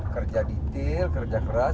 kerja detail kerja keras